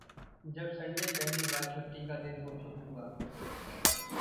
जब संडे पहली बार छुट्टी का दिन घोषित हुआ...